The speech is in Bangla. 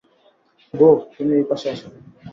বোহ, তুমি এইপাশে আস।